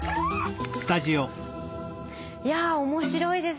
いや面白いですね。